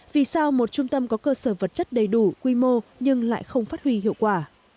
vì sao một trung tâm có cơ sở vật chất đầy đủ quy mô nhưng lại không phát huy hiệu quả